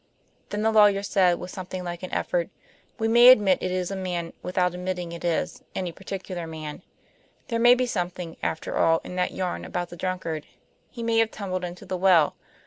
Then the lawyer said, with something like an effort: "We may admit it is a man without admitting it is any particular man. There may be something, after all, in that yarn about the drunkard; he may have tumbled into the well.